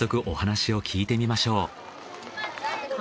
お話聞いてみましょう。